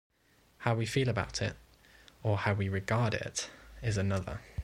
How we feel about it, or how we regard it, is another.